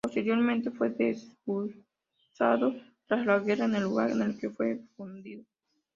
Posteriormente fue desguazado tras la guerra en el lugar en el que fue hundido